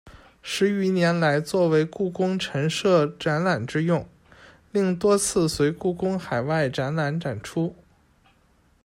十余年来作为故宫陈设展览之用，另多次随故宫海外展览展出。